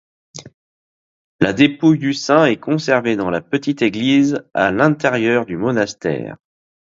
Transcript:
La dépouille du saint est conservée dans la petite église à l’intérieur du monastère.